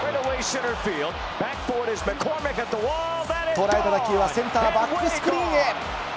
捉えた打球はセンターバックスクリーンへ。